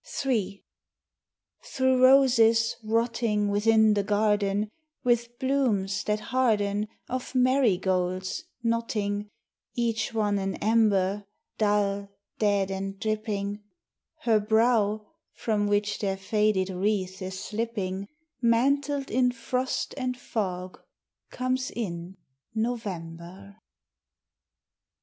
III Through roses, rotting Within the garden, With blooms, that harden, Of marigolds, knotting, (Each one an ember Dull, dead and dripping,) Her brow, from which their faded wreath is slipping, Mantled in frost and fog, comes in November.